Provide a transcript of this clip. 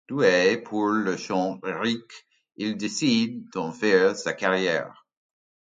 Doué pour le chant lyrique, il décide d'en faire sa carrière.